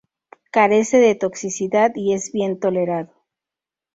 Carece de toxicidad y es bien tolerado.